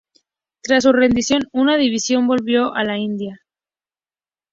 Tras su rendición una división volvió a la India.